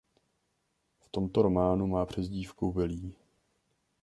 V tomto románu má přezdívku Willie.